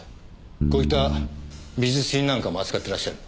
こういった美術品なんかも扱ってらっしゃる？